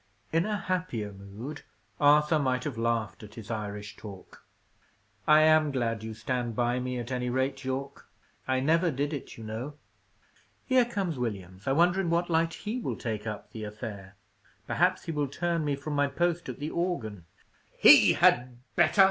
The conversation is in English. In a happier mood, Arthur might have laughed at his Irish talk, "I am glad you stand by me, at any rate, Yorke. I never did it, you know. Here comes Williams. I wonder in what light he will take up the affair? Perhaps he will turn me from my post at the organ." "He had better!"